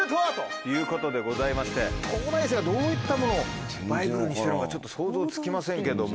東大生がどういったものをバイブルにしてるのかちょっと想像つきませんけども。